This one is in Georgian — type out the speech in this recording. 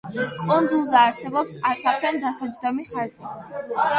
კუნძულზე არსებობს ასაფრენ-დასაჯდომი ხაზი.